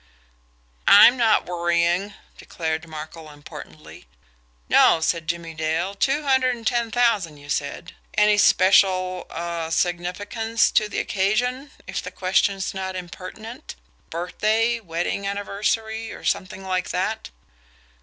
"I'm not worrying," declared Markel importantly. "No," said Jimmie Dale. "Two hundred and ten thousand, you said. Any special er significance to the occasion, if the question's not impertinent? Birthday, wedding anniversary or something like that?"